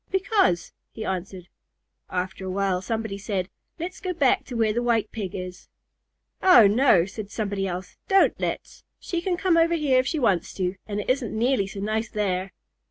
"Because," he answered. After a while somebody said, "Let's go back to where the White Pig is." "Oh, no," said somebody else, "don't let's! She can come over here if she wants to, and it isn't nearly so nice there."